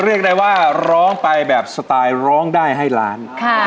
เรียกได้ว่าร้องไปแบบสไตล์ร้องได้ให้ล้าน